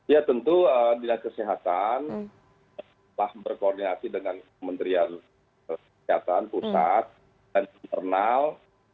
ya tentu dinas kesehatan telah berkoordinasi dengan kementerian kesehatan pusat dan internal